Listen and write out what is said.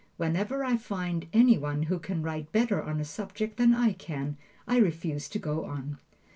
Whenever I find any one who can write better on a subject than I can, I refuse to go on.